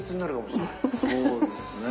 そうですね。